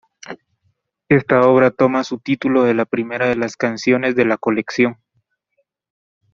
Esta obra toma su título de la primera de las canciones de la colección.